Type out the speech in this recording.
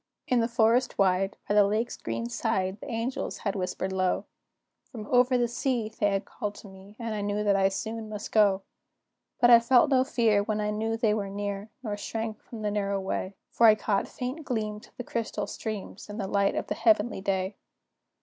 In the forest wide, by the lake's green side, The angels had whispered low; From "over the sea" they had called to me, And I knew that I soon must go; But I felt no fear when I knew they were near, Nor shrank from the narrow way, For I caught faint gleams of the crystal streams, And the light of the heavenly day.